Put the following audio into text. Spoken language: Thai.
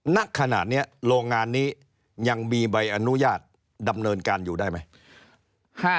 ณขณะนี้โรงงานนี้ยังมีใบอนุญาตดำเนินการอยู่ได้ไหม